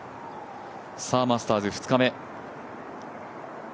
マスターズ２日目。